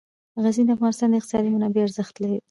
غزني د افغانستان د اقتصادي منابعو ارزښت زیاتوي.